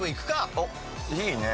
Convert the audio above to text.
おっいいね。